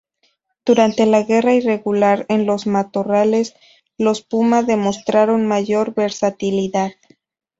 Durante la guerra irregular en los matorrales, los Puma demostraron mayor versatilidad.